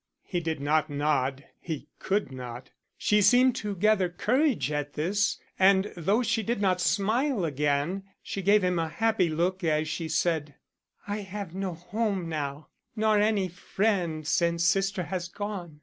He did not nod; he could not. She seemed to gather courage at this, and though she did not smile again, she gave him a happy look as she said: "I have no home now, nor any friend since sister has gone.